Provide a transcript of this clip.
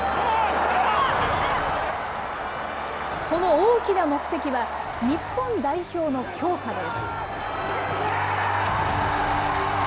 その大きな目的は、日本代表の強化です。